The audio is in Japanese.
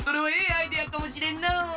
アイデアかもしれんのう。